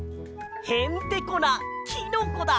へんてこなキノコだ！